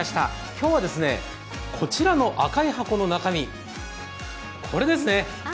今日はこちらの赤い箱の中身、これですね。